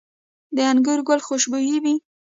د انګورو ګل خوشبويه وي؟